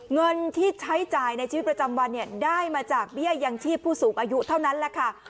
เงินที่ใช้จ่ายในชีวิตประจำวันเนี่ยได้มาจากเบี้ยยังชีพผู้สูงอายุเท่านั้นแหละค่ะ